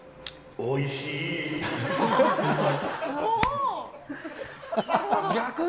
おいしいー。